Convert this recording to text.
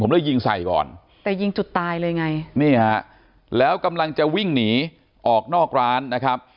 เลยยิงใส่ก่อนแต่ยิงจุดตายเลยไงนี่ฮะแล้วกำลังจะวิ่งหนีออกนอกร้านนะครับ